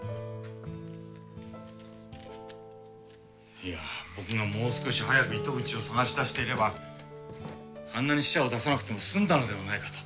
いや僕がもう少し早く糸口を探し出していればあんなに死者を出さなくてもすんだのではないかと。